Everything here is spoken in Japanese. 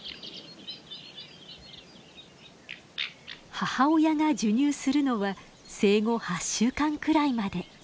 母親が授乳するのは生後８週間くらいまで。